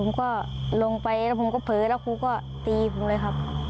ผมก็ลงไปแล้วผมก็เผลอแล้วครูก็ตีผมเลยครับ